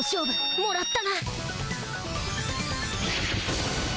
もらった！